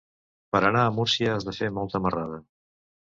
Per anar a Murla has de fer molta marrada.